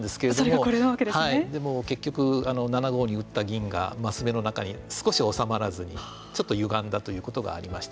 それがでも、結局７五銀を打った升目の中に少し収まらずにちょっとゆがんだということがありました。